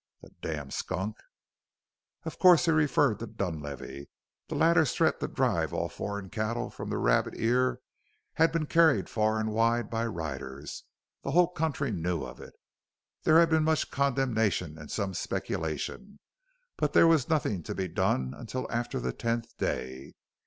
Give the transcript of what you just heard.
The damned skunk!" Of course he referred to Dunlavey the latter's threat to drive all foreign cattle from the Rabbit Ear had been carried far and wide by riders the whole country knew of it. There had been much condemnation and some speculation, but there was nothing to be done until after the tenth day.